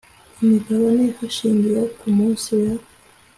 imigabane hashingiwe ku munsi wa